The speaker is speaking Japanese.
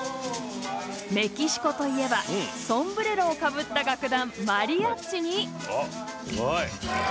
メキシコといえばソンブレロをかぶった楽団あっすごい。